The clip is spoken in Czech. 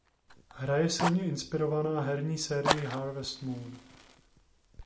Hra je silně inspirována herní sérií "Harvest Moon".